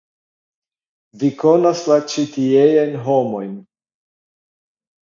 Vi konas la ĉi-tieajn homojn.